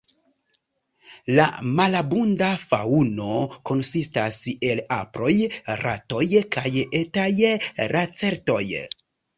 La malabunda faŭno konsistas el aproj, ratoj kaj etaj lacertoj.